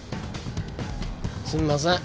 すんません。